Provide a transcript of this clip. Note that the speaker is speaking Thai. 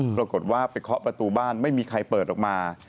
ปรากฏว่าไปเคาะประตูบ้านไม่มีใครเปิดออกมา